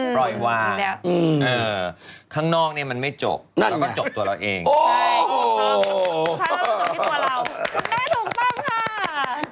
ปล่อยวางข้างนอกเนี่ยมันไม่จบเราก็จบตัวเราเองใช่คุณได้ถูกมากค่ะ